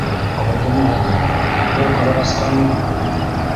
— Алдама әле, бер ҡарағасҡамы?